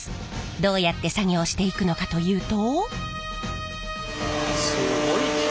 どうやって作業していくのかというと。